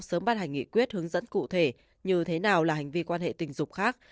sớm ban hành nghị quyết hướng dẫn cụ thể như thế nào là hành vi quan hệ tình dục khác